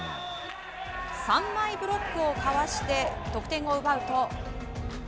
３枚ブロックをかわして得点を奪うと。